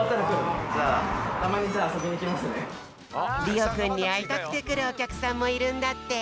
りおくんにあいたくてくるおきゃくさんもいるんだって。